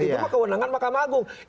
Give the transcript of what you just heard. itu mah kewenangan mahkamah agung